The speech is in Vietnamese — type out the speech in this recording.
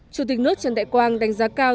chủ tịch nước trần đại quang đánh giá cao